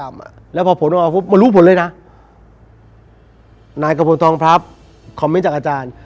มารู้ผลเลยนะนายกระโปรดทองพรับคอมเม้นท์จากอาจารย์